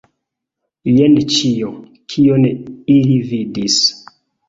Jen ĉio, kion ili vidis.